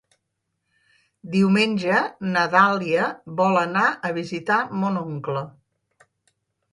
Diumenge na Dàlia vol anar a visitar mon oncle.